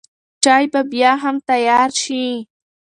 چای به بیا هم تیار شي.